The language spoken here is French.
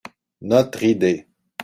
Notre idée